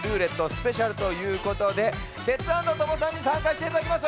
スペシャルということでテツａｎｄトモさんにさんかしていただきます。